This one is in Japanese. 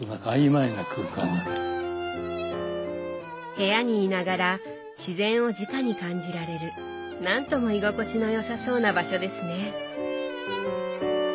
部屋にいながら自然をじかに感じられる何とも居心地のよさそうな場所ですね。